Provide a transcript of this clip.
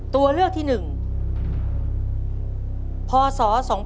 ตัวเลือกที่๑พศ๒๕๖